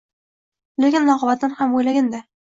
Lekin oqibatini ham o`ylagin-da